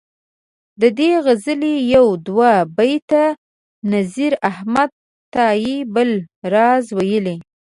دې غزلي یو دوه بیته نذیر احمد تائي بل راز ویلي.